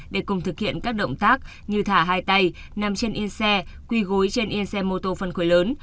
để cùng thực hiện các động tác như thả hai tay nằm trên yên xe quỳ gối trên yên xe mô tô phân khối lớn